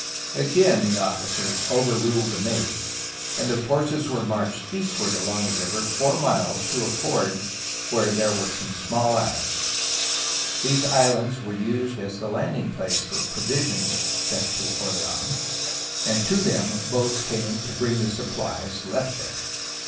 Again the officers overruled the Maid, and the forces were marched eastward along the river four miles to a ford where were some small islands. These islands were used as the landing place for provi sions sent to Orleans, and to them boats came to bring the supplies left there.